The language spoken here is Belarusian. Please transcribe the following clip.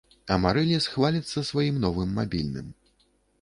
Амарыліс хваліцца сваім новым мабільным.